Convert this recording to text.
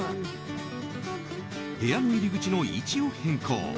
部屋の入り口の位置を変更。